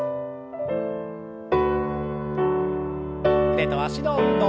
腕と脚の運動。